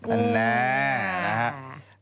อันนี้นะฮะ